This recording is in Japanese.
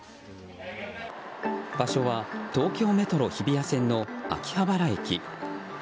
場所は東京メトロ日比谷線の秋葉原駅。